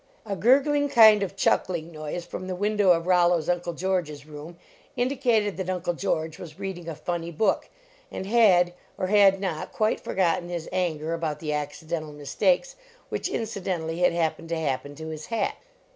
A gurgling kind of a chuckling noise from the window of Rollo s Uncle George s room indicated that Uncle George was reading a funny book, and had, or had not, quite for gotten his anger about the accidental mis takes which incidentally had happened to happen to his hat.